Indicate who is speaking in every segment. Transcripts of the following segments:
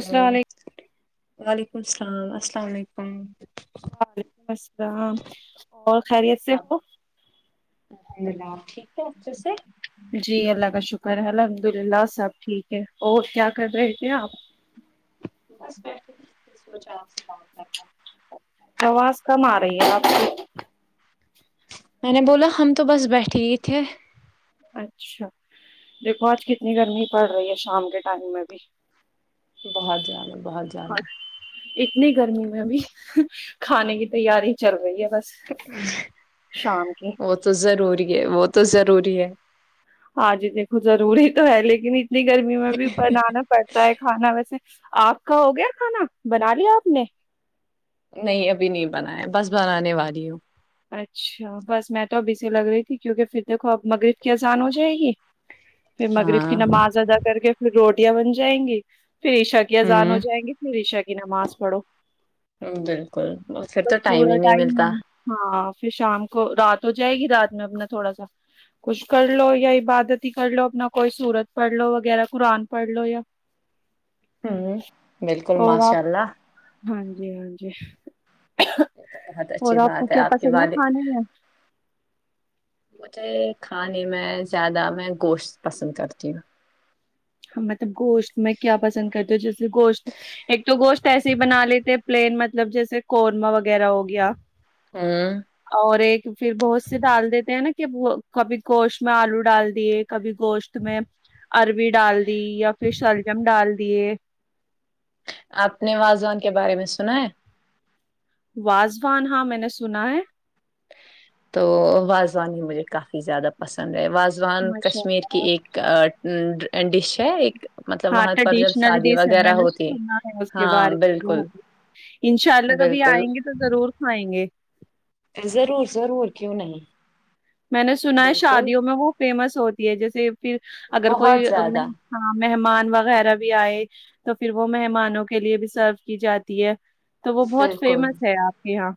Speaker 1: hello
Speaker 2: السلام علیکم
Speaker 1: وعلیکم السلام السلام علیکم
Speaker 2: وعلیکم السلام اور خیریت سے ہو
Speaker 1: الحمدللہ آپ ٹھیک ہو اچھے سے
Speaker 2: جی اللہ کا شکر ہے الحمد للہ سب ٹھیک ہے اور کیا کر رہے تھے آپ
Speaker 1: بس بیٹھے تھی سوچا آپ سے بات
Speaker 2: آواز کم آ رہی ہے آپ کی
Speaker 1: میں نے بولا ہم تو بس بیٹھے ہی تھے
Speaker 2: اچھا دیکھو آج کتنی گرمی پڑ رہی ہے شام کے ٹائم میں بھی
Speaker 1: بہت زیادہ بہت زیادہ
Speaker 2: اور اتنی گرمی میں بھی کھانے کی تیاری چل رہی ہے بس شام کی
Speaker 1: وہ تو ضروری ہے وہ تو ضروری ہے
Speaker 2: ہاں جی دیکھو ضروری تو ہے لیکن اتنی گرمی میں بھی بنانا پڑ تا ہے کھانا ویسے آپ کا ہو گیا کھانا بنا لیا آپ نے
Speaker 1: نہیں ابھی نہیں بنایا بس بنانے والی ہوں
Speaker 2: اچھا بس میں تو ابھی سے لگ رہی تھی کیونکہ پھر دیکھو اب مغرب کی آذان ہو جائے گی پھر مغرب
Speaker 1: ہاں
Speaker 2: کی نماز ادا کر کے پھر روٹیاں بن جائیں گی پھر عشا کی آذان ہو
Speaker 1: ہوں
Speaker 2: جائیں گی پھر عشا کی نماز پڑھو
Speaker 1: بالکل پھر تو
Speaker 2: بس
Speaker 1: ٹائم
Speaker 2: پورا
Speaker 1: ہی نہیں ملتا
Speaker 2: ٹائم ہاں پھر شام کو رات ہو جائے گی رات میں اپنا تھوڑا سا کچھ کر لو یا عبادت ہی کر لو اپنا کوئی سورت پڑھ لو وغیرہ قرآن پڑھ لو یا
Speaker 1: ہ بالکل
Speaker 2: اور آپ
Speaker 1: ماشاء اللہ
Speaker 2: ہاں جی ہاں جی
Speaker 1: بہت
Speaker 2: اور
Speaker 1: اچھی
Speaker 2: آپ کو
Speaker 1: بات
Speaker 2: کیا
Speaker 1: کے
Speaker 2: پسند ہے
Speaker 1: والد
Speaker 2: کھانے میں
Speaker 1: مجھے کھانے میں زیادہ میں گوشت پسند کرتی ہوں
Speaker 2: مطلب گوشت میں کیا پسند کرتے ہ جیسے گوشت ایک تو گوشت ایسے ہی بنا لیتے پلین مطلب جیسے قورما وغیرہ ہو گیا
Speaker 1: ہوں
Speaker 2: اور ایک پھر بہت سے ڈال دیتے ہیں نا کہ وہ کبھی گوشت میں آلو ڈال دیے کبھی گوشت میں اروی ڈال دی یا پھر سلجم ڈال دیے
Speaker 1: آپ نے وازوان کے بارے میں سنا ہے
Speaker 2: واازوان ہاں میں نے سنا ہے
Speaker 1: تو واازوان ہی مجھے کافی زیادہ پسند ہے واازوان
Speaker 2: ماشاء
Speaker 1: کشمیر کہ
Speaker 2: اللہ
Speaker 1: ایک ڈیش ہے ایک مطلب
Speaker 2: ہاں
Speaker 1: وہاں پر جب
Speaker 2: ٹریڈیشنل
Speaker 1: شادی
Speaker 2: ڈیش ہے میں
Speaker 1: وغیرہ
Speaker 2: نے
Speaker 1: ہوتی
Speaker 2: سنا ہے اس کے
Speaker 1: ہاں
Speaker 2: بارے میں
Speaker 1: بالکل
Speaker 2: انشاء اللہ کبھی
Speaker 1: بالکل
Speaker 2: آئیں گے تو ضرور کھائیں گے
Speaker 1: ا ضرور ضرور کیوں نہیں
Speaker 2: میں نے سنا ہے
Speaker 1: بالکل
Speaker 2: شادیوں میں وہ فیمس ہوتی ہے جیسے پھر اگر کوئی
Speaker 1: بہت زیادہ
Speaker 2: ہاں مہمان وغیرہ بھی آئے تو پھر وہ مہمانوں کے لیے بھی سرو کی جاتی ہے تو وہ بہت
Speaker 1: بالکل
Speaker 2: فیمس ہے آپ کے یہاں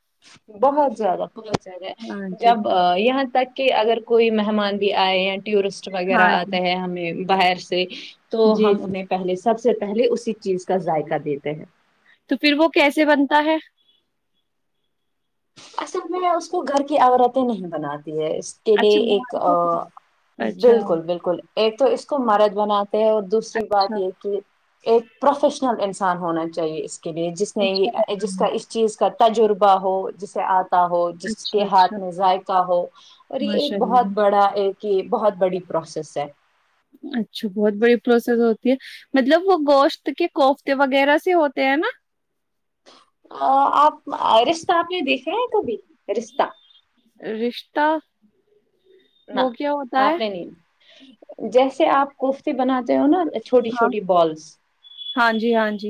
Speaker 1: بہت زیادہ بہت زیادہ
Speaker 2: ہاں جی
Speaker 1: جب یہاں تک کہ اگر کوئی مہمان بھی آئے یا ٹورسٹ وغیرہ
Speaker 2: ہاں جی
Speaker 1: آتا ہے ہمیں باہر سے تو
Speaker 2: جی
Speaker 1: ہم
Speaker 2: جی
Speaker 1: انہیں پہلے سب سے پہلے اسی چیز کا ذائقہ دیتے ہیں
Speaker 2: تو پھر وہ کیسے بنتا ہے
Speaker 1: اصل میں اس کو گھر کی عورتیں نہیں بناتی ہے کے لیے
Speaker 2: اچھا
Speaker 1: ایک
Speaker 2: باہر کا اچھا
Speaker 1: بلکل بلکل ایک تو اس کو مرد بناتے ہیں اور دوسری بات
Speaker 2: اچھا
Speaker 1: یہ کہ ایک پروفیشنل انسان ہونا چاہیے اس کے لیے جس نے
Speaker 2: اچھا
Speaker 1: یہ جس
Speaker 2: بنانا
Speaker 1: کا اس چیز کا تجربہ ہو جسے آتا ہو
Speaker 2: ہے،
Speaker 1: جس
Speaker 2: اچھا
Speaker 1: کے
Speaker 2: اچھا
Speaker 1: ہاتھ میں ذائقہ ہو اور یہ
Speaker 2: ماشاء
Speaker 1: ایک بہت
Speaker 2: اللہ
Speaker 1: بڑا ایک کہیہ بہت بڑی پروسس ہے
Speaker 2: اچھا بہت بڑی پروسیس ہوتی ہے مطلب وہ گوشت کے کوفتے وغیرہ سے ہوتے ہیں نا
Speaker 1: ہاں آپ ا رشتہ آپ نے دیکھا ہے کبھی رشتہ
Speaker 2: رشتہ
Speaker 1: نہ
Speaker 2: وہ کیا ہوتا ہے
Speaker 1: آپ نے نہیں جیسے آپ کوفتے بناتے ہو نا چھوٹی
Speaker 2: ہاں
Speaker 1: چھوٹی بلس
Speaker 2: ہاں جی ہاں جی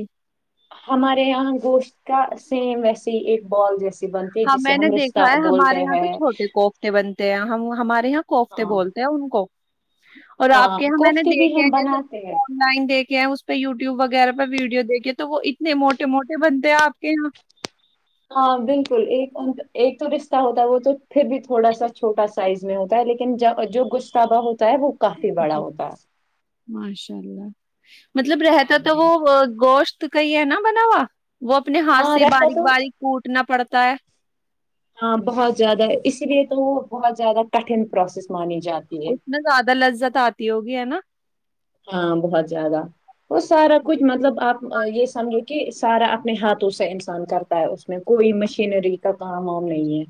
Speaker 1: ہمارے یہاں گوشت کا سیم ویسے ہی ایک بال جیسے بنتی
Speaker 2: ہاں
Speaker 1: جسے
Speaker 2: میں
Speaker 1: ہم رشہ بولتے ہیں
Speaker 2: تے بنتے ہیں ہمارے یہاں کوفتے
Speaker 1: ہاں
Speaker 2: بولتے ہیں ان کو اور آپ
Speaker 1: ہاں
Speaker 2: کے یہاں میں نے
Speaker 1: کوفتے بھی
Speaker 2: دیکھا ہیں
Speaker 1: ہم
Speaker 2: جیسے
Speaker 1: بناتے ہیں
Speaker 2: فون لائن دیکے ہیں اس پہ یوٹیوب وغیرہ پہ ویڈیو دیکے تو وہ اتنے موٹے موٹے بنتے ہیں آپ کے یہاں
Speaker 1: ہاں بالکل ایک ایک تو رشتہ ہوتا ہے وہ تو پھر بھی تھوڑا سا چھوٹا سا سائز میں ہوتا ہے لیکن جو گشتابا ہوتا ہے وہ کافی بڑا
Speaker 2: جی
Speaker 1: ہوتا ہے
Speaker 2: ماشاء اللہ مطلب رہتا
Speaker 1: ہاں
Speaker 2: تو
Speaker 1: جی
Speaker 2: وہ گوشت کہئی ہے نا بنا ہوا وہ اپنے ہاتھ
Speaker 1: ہاں
Speaker 2: سے
Speaker 1: رہتا
Speaker 2: باریک
Speaker 1: تو
Speaker 2: باریک کوٹنا پڑتا ہے
Speaker 1: ہاں بہت زیادہ اسی لیے تو وہ بہت زیادہ کٹھن پروسیس مانی جا
Speaker 2: اس میں زیادہ لذت آتی ہوگی ہے نا
Speaker 1: ہاں بہت زیادہ وہ سارا کچھ مطلب آپ یہ سمجھے کہ سارا اپنے ہاتھوں سے انسان کرتا ہے اس میں کوئی مشینری کا کام ہم نہیں ہے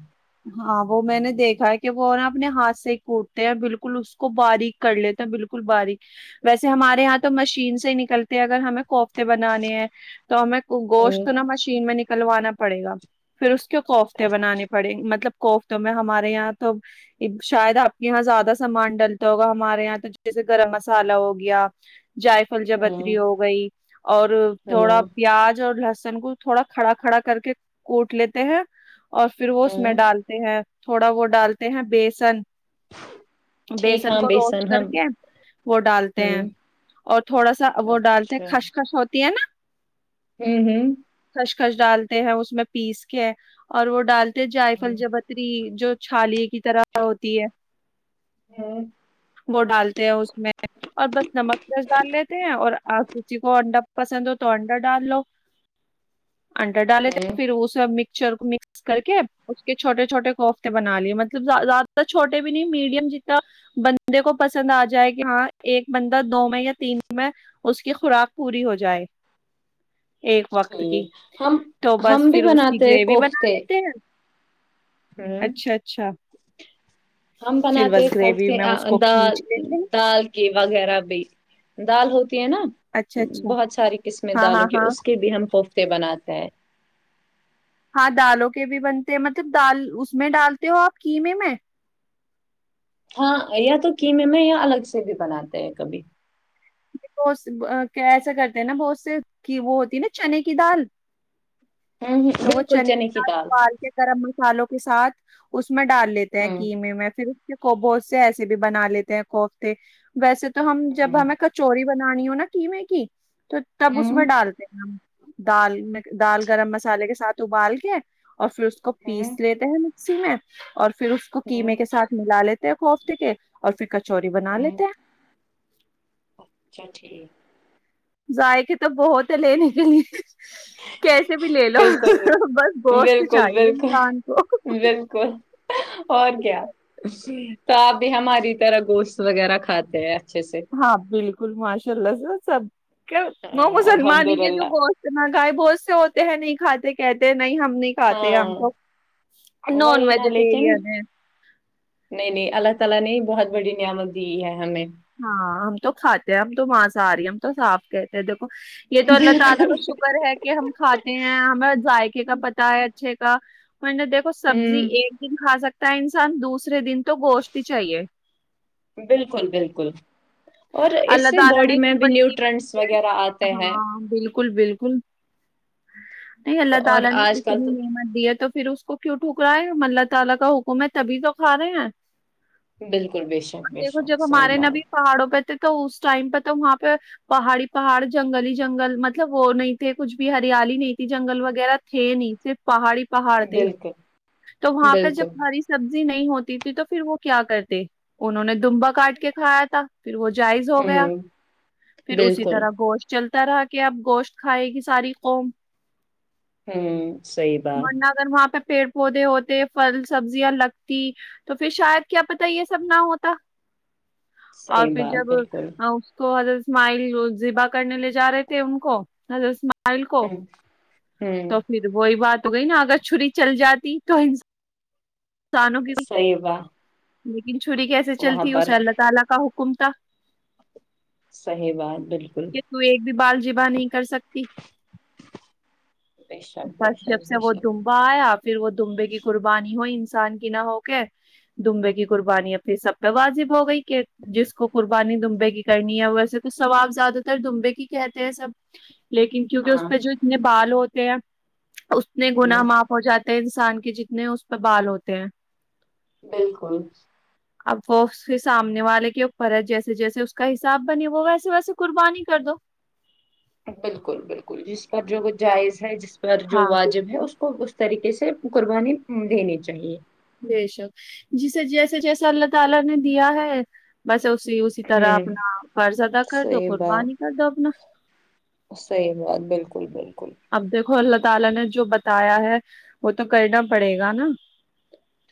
Speaker 2: ہاں وہ میں نے دیکھا ہے کہ وہ نا اپنے ہاتھ سے کوٹتے ہیں بالکل اس کو باریک کر لیتے بالکل باریک ویسے ہمارے یہاں تو مشین سے نکلتے ہیں اگر ہمیں کوفتے بنانے ہیں تو ہمیں گوشت
Speaker 1: ہوں
Speaker 2: تو نا مشین میں نکلوانا پڑے گا پھر اس کے کوفتے بنانے پڑیں مطلب کوفتوں میں ہمارے یہاں تو شاید آپ کے یہاں زیادہ سامان ڈال تا ہوگا ہمارے یہاں تو جیسے گرم مسالہ ہو گیا جائفل جاویتری
Speaker 1: ہوں
Speaker 2: ہو گئی اور تھوڑا
Speaker 1: ہوں
Speaker 2: پیاز اور لہسن کو تھوڑا کھڑا کھڑا کر کے کوٹ لیتے ہیں اور پھر وہ اس میں
Speaker 1: ہوں
Speaker 2: ڈالتے ہیں تھوڑا وہ ڈالتے ہیں بیسن
Speaker 1: ٹھیک
Speaker 2: بیسن
Speaker 1: ہاں
Speaker 2: کو روسٹ کر
Speaker 1: ہم
Speaker 2: کے وہ ڈالتے ہیں
Speaker 1: ہوں
Speaker 2: اور تھوڑا سا وہ ڈالتے ہیں
Speaker 1: اچھا
Speaker 2: خشخش ہوتی ہے نا
Speaker 1: ہوں ہوں
Speaker 2: خشخش ڈالتے ہیں اس میں پیس کے اور وہ ڈالتے جائفل جبتری جو چھالیے کی طرح ہوتی ہے
Speaker 1: ہوں
Speaker 2: وہ ڈالتے ہیں اس میں اور بس نمک مرچ ڈال لیتے ہیں اور کسی کو انڈا پسند ہو تو انڈا ڈال لو انڈا ڈالے تھے
Speaker 1: ہوں
Speaker 2: پھر وہے اب مکچر کو مکس کر کے اس کے چھوٹے چھوٹے کوفتے بنا لیے مطلب زیادہ چھوٹے بھی نہیں میڈیم جتنا بندے کو پسند آ جائے کہ ہاں ایک بندہ دو میں یا تین میں اس کی خوراک پوری ہو جائے ایک وقت کی
Speaker 1: ٹھیک ہم
Speaker 2: تو بس
Speaker 1: ہم بھی
Speaker 2: پھر اس کی
Speaker 1: بناتے ہیں
Speaker 2: گریوی بنا دیتے ہیں
Speaker 1: ہمم
Speaker 2: اچھا اچھا
Speaker 1: ہم
Speaker 2: پھر
Speaker 1: بناتے
Speaker 2: بس گریوی
Speaker 1: کوفتے
Speaker 2: میں اس کو
Speaker 1: دال
Speaker 2: کھینچ لیتے ہیں
Speaker 1: دال کی وغیرہ بھی دال ہوتی ہے نا
Speaker 2: اچھا اچھا
Speaker 1: بہت ساری قسمیں
Speaker 2: ہاں ہاں
Speaker 1: دالوں کی
Speaker 2: ہاں
Speaker 1: اس کے بھی ہم کوفتے بناتے ہیں
Speaker 2: ہاں دالوں کے بھی بنتے ہیں مطلب دال اس میں ڈالتے ہو آپ کیمے میں
Speaker 1: ہاں یا تو کیمے میں یا الگ سے بھی بناتے ہیں کبھی
Speaker 2: بہت ایسا کرتے ہیں نا بہت سے کی وہ ہوتی ہے نا چنے کی دال تو وہ چنے کی دال ابال کے گرم مسالوں کے ساتھ اس میں ڈال لی
Speaker 1: ہوں
Speaker 2: کیمے میں پھر اس کے کو بہت سے ایسے بھی بنا لیتے ہیں کوف ویسے تو ہم جب
Speaker 1: ہوں
Speaker 2: ہمیں کچوری بنانی ہو نا کیمے کی تو تب اس
Speaker 1: ہوں
Speaker 2: میں ڈالتے ہم دال میں دال گرم مس الے کے ساتھ ابال کے اور پھر اس کو
Speaker 1: ہوں
Speaker 2: پیس لیتے ہیں مکسی میں اور پھر اس کو
Speaker 1: ہوں
Speaker 2: قیمے کے ساتھ ملا لیتے ہیں کوفتے کے اور پھر کچوری بنا
Speaker 1: ہوں
Speaker 2: لیتے ہیں
Speaker 1: اچھا ٹھیک
Speaker 2: ذائقے تو بہت ہے لینے کے لیے کیسے بھی لے لو
Speaker 1: بالکل
Speaker 2: بس گوشت چاہیے انسان کو
Speaker 1: کون اور کیا تو آپ بھی ہماری طرح گوشت وغیرہ کھاتے ہیں اچھے سے
Speaker 2: ہاں بالکل ماشاء اللہ سے سب ک نو
Speaker 1: ہاں الحمد
Speaker 2: مسلمان کے جو
Speaker 1: للہ
Speaker 2: گوش اتنا گائے بہت سے ہوتے ہیں نہیں کھاتے کہتے نہیں ہم نہیں کھاتے ہم
Speaker 1: ہاں
Speaker 2: تو نان
Speaker 1: وہی نا لیکن
Speaker 2: ویجیٹیرین ہے
Speaker 1: نہیں نہیں اللہ تعالی نے بہت بڑی نعمت دی ہے ہمیں
Speaker 2: ہاں ہم تو کھاتے ہیں ہم تو ماساہاری ہے ہم تو صاف کہتے ہیں دیکو یہ تو اللہ تعالی
Speaker 1: بالکل
Speaker 2: کا شک کر ہے کہ ہم کھاتے ہیں ہمیں ذائکے کا پتا ہے اچھے کا میں نے دیکھ سبزی
Speaker 1: ہوں
Speaker 2: ایک دن کھا سکتا ہے انسان دوسرے دن تو گوشت ہی چاہیے
Speaker 1: بالکل بالکل اور
Speaker 2: اللہ
Speaker 1: اس سے
Speaker 2: تعالی نے
Speaker 1: باڈی میں
Speaker 2: اتنی
Speaker 1: بھی
Speaker 2: بڑی
Speaker 1: نیوٹرنٹس
Speaker 2: قمت
Speaker 1: وغیرہ
Speaker 2: [inaudible]
Speaker 1: آتے ہیں
Speaker 2: ہاں بالکل بالکل نہیں اللہ
Speaker 1: اور
Speaker 2: تعالی نے
Speaker 1: آج کل
Speaker 2: اتنی
Speaker 1: تو
Speaker 2: نعمت دی ہے تو پھر اس کو کیوں ٹھکرائے ہم الله تعالی کا حکم ہے تبھی تو کھا رہے ہیں
Speaker 1: بالکل بیشک
Speaker 2: دیکھو
Speaker 1: بیشک
Speaker 2: جب
Speaker 1: صحیح
Speaker 2: ہمارے
Speaker 1: بات
Speaker 2: نبی پہاڑوں پہ تھے تو اس ٹائم پہ تو وہاں پہ پہاڑ ہی پہاڑ جنگل ہی جنگل مطلب وہ نہیں تھے کچھ بھی ہریالی نہیں تھی جنگل وغیرہ تھے نہیں صرف پہاڑ ہی پہاڑ تھے
Speaker 1: بالکل
Speaker 2: تو وہاں پہ
Speaker 1: بالکل
Speaker 2: جب ہری سبزی نہیں ہوتی تھی تو پھر وہ کیا کرتے انہوں نے دمبا کاٹ کے کھایا تھا پھر وہ جائز ہو گیا
Speaker 1: ہوں
Speaker 2: پھر اسی
Speaker 1: بالکل
Speaker 2: طرح گوشت چلتا طرح کے آپ گوشت کھائے گی ساری قوم
Speaker 1: ہوں صحیح بات
Speaker 2: ورنہ اگر وہاں پہ پیڑ پودے ہوتے پھل سبزیاں لگتی تو پھر شاید کیا پتا یہ سب نہ ہوتا اور
Speaker 1: صحیح
Speaker 2: پھر
Speaker 1: بات
Speaker 2: جب
Speaker 1: بالکل
Speaker 2: اوس تو حضرت اسماعیل ذبہ کرنے لے جا رہے تھے ان کو حضرت اسماعیل ل کو
Speaker 1: ہوں ہوں
Speaker 2: تو پھر وہی بات ہو گئی نا اگر چھری چل جاتی تو ان تھانوں کی
Speaker 1: صحیح بات
Speaker 2: لیکن چھری کیسے
Speaker 1: وہاں
Speaker 2: چلتی ہے
Speaker 1: پر
Speaker 2: حسین اللہ تعالی کا حکم تھا
Speaker 1: صحیح بات بالکل
Speaker 2: کہ تو ایک بھی بال جیبا نہیں کر سکتی
Speaker 1: بےشک بےشک بےشک
Speaker 2: یا پھر وہ دمبے کی قربانی ہوئی انسان کی نہ ہو کے دمبے کی قربانی اب پھر سب پہ واجب ہو گئی کہ جس کو قربانی دمبے کی کرنی ہے ویسے تو سواب زیادہ تر دمبے کی کہتے ہیں سب لیکن کیونکہ اس
Speaker 1: ہاں
Speaker 2: پہ جو اتنے بال ہوتے ہیں اتنے گنااہ
Speaker 1: ہوں
Speaker 2: معاف ہو جاتے ہیں انسان کے جتنے اس پہ بال ہوتے ہیں
Speaker 1: بالکل
Speaker 2: اب وہ اس کے سامنے والے کی اوپر ہے جیسے جیسے اس کا حساب بنے وہ ویسے ویسے قربانی کر دو
Speaker 1: بالکل بالکل جس پر جو وہ جائز ہے جس پر جو
Speaker 2: ہاں
Speaker 1: واجب ہے
Speaker 2: بالکل
Speaker 1: اس کو طریقے سے قربانی دینی چاہیے
Speaker 2: بے شک جسے جیسے جیسے اللہ تعالی نے دیا ہے بس اسی اسی طرح
Speaker 1: ہوں
Speaker 2: اپنا فرض ادا کر دو
Speaker 1: صحیح
Speaker 2: قربانی
Speaker 1: بات
Speaker 2: کر دو اپنا
Speaker 1: صحیح بات بالکل بالکل
Speaker 2: اب دیکھو اللہ تعالی نے جو بتایا ہے وہ تو کرنا پڑے گا نا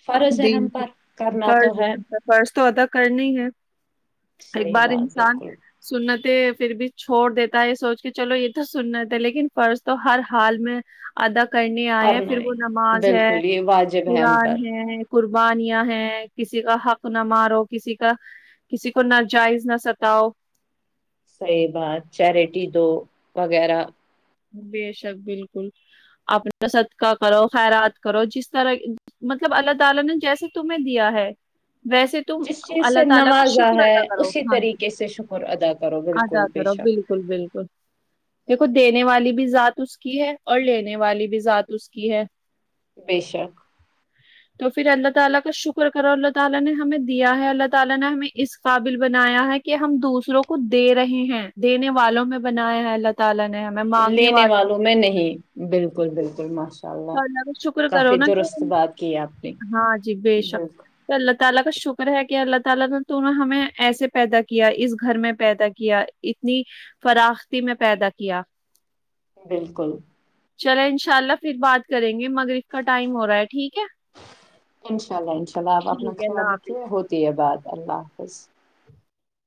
Speaker 1: فرض ہے
Speaker 2: دین
Speaker 1: ہم
Speaker 2: کی
Speaker 1: پر کرنا تو
Speaker 2: فرض ہے فرض تو ادا کرنی ہے
Speaker 1: صحیح بات بالکل
Speaker 2: سننتے پھر بھی چھوڑ دیتا ہے یہ سوچ کے چلو یہ تو سننت ہے لیکن فرض تو ہر حال میں ادا کرنے آئے ہیں
Speaker 1: کرنا
Speaker 2: پھر وہ
Speaker 1: ہے
Speaker 2: نماز ہے
Speaker 1: بالکل یہ واجب ہے ہم
Speaker 2: قرآن
Speaker 1: پر
Speaker 2: ہے قربانیاں ہیں کسی کا حق نہ مارو کسی کا کسی کو ناجائز نہ ستاؤ
Speaker 1: صحیح بات چاریٹی دو وغیرہ
Speaker 2: بے شک بالکل آپ نا صدقہ کرو خیرات کرو جس طرح مطلب اللہ تعالی نے جیسے تمہیں دیا ہے ویسے تم
Speaker 1: جس چیز
Speaker 2: اللہ
Speaker 1: سے
Speaker 2: تعالی کا
Speaker 1: نوازا
Speaker 2: شکر
Speaker 1: ہے
Speaker 2: ادا کرو
Speaker 1: اسی
Speaker 2: ہاں جی
Speaker 1: طریقے سے شکر ادا کرو
Speaker 2: ادا
Speaker 1: بالکل بے
Speaker 2: کرو بال
Speaker 1: شک
Speaker 2: کل بالکل دیکھو دی نے والی بھی ذات اس کی ہے اور لینے والی بھی ذات اس کی ہے
Speaker 1: بیشک
Speaker 2: تو پھر اللہ تعالی کا شکر کرو اللہ تعالی نے ہمیں دیا ہے اللہ تعالی نے ہمیں اس قابل بنایا ہے کہ ہم دوسروں کو دے رہے ہیں دینے والوں میں بنایا ہے اللہ تعالی نے ہمیں مانگنے
Speaker 1: لینے والوں میں نہیں بالکل بالکل ماشاء اللہ
Speaker 2: کا کا شکر کرو
Speaker 1: کافی
Speaker 2: نا کہ
Speaker 1: درست بات کی آپ نے
Speaker 2: ہاں جی بے شک
Speaker 1: بالکل
Speaker 2: تو اللہ تعالی کا شکر ہے کہ اللہ تعالی نے تمہیں ہمیں ایسے پیدا کیا اس گھر میں پیدا کیا اتنی فراختی میں پیدا کیا
Speaker 1: بالکل
Speaker 2: چلے انشاء اللہ پھر بات کریں گے مغرب کا ٹائم ہو رہا ہے ٹھیک ہے
Speaker 1: انشاء اللہ انشاء اللہ آپ اپنا
Speaker 2: ٹھیک ہے اللہ
Speaker 1: خیال
Speaker 2: حافظ
Speaker 1: رکھیے ہوتی ہے بات اللہ حافظ